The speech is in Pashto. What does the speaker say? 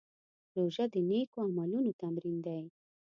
روژه د نېکو عملونو تمرین دی.